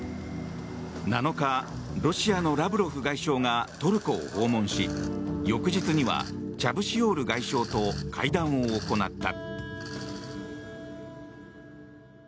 ７日、ロシアのラブロフ外相がトルコを訪問し翌日にはチャブシオール外相と会談を行った。